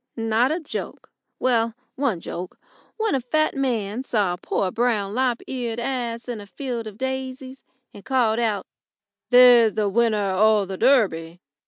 Not a joke well, one joke, when a fat man saw a poor brown lop eared ass in a field of daisies, and called out: "There's the winner o' the Durby!"